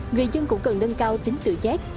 người dân cũng cần nâng cao tính tự giác